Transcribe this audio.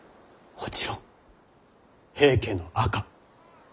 もちろん平家の赤。